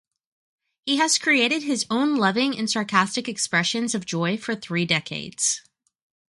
He has created his own loving and sarcastic expressions of joy for three decades.